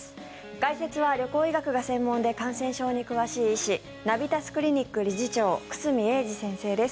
解説は旅行医学が専門で感染症に詳しい医師ナビタスクリニック理事長久住英二先生です。